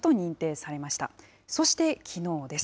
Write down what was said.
そしてきのうです。